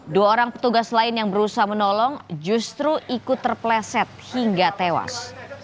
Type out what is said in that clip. dua orang petugas lain yang berusaha menolong justru ikut terpleset hingga tewas